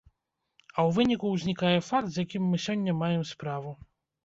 А ў выніку ўзнікае факт, з якім мы сёння маем справу.